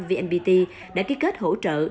vnpt đã ký kết hỗ trợ